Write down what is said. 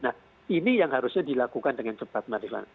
nah ini yang harusnya dilakukan dengan cepat mbak rifana